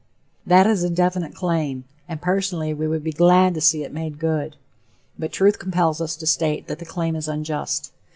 That is a definite claim, and personally, we would be glad to see it made good. But truth compels us to state that the claim is unjust.